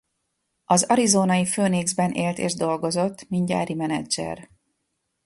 Az arizonai Phoenixben élt és dolgozott mint gyári menedzser.